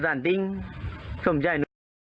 สะด่านติ้งส่วนใจ